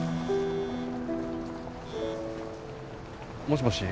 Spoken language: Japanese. もしもし。